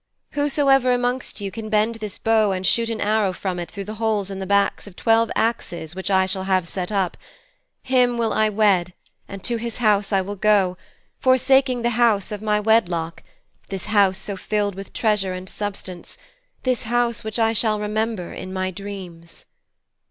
Whosoever amongst you who can bend this bow and shoot an arrow from it through the holes in the backs of twelve axes which I shall have set up, him will I wed, and to his house I will go, forsaking the house of my wedlock, this house so filled with treasure and substance, this house which I shall remember in my dreams.'